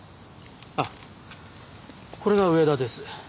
あっこれが上田です。